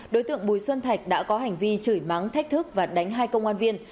đối tượng bùi xuân thạch đã có hành vi chửi mắng thách thức và đánh hai công an viên